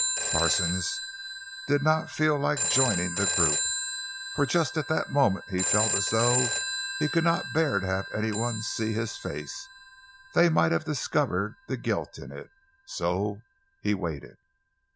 Parsons did not feel like joining the group, for just at that moment he felt as though he could not bear to have anyone see his face—they might have discovered the guilt in it—and so he waited.